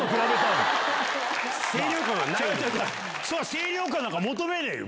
清涼感なんか求めねえよ！